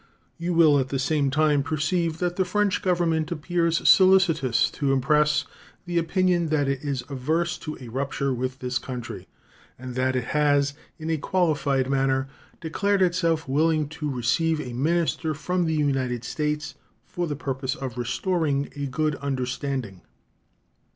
You will at the same time perceive that the French Government appears solicitous to impress the opinion that it is averse to a rupture with this country, and that it has in a qualified manner declared itself willing to receive a minister from the United States for the purpose of restoring a good understanding.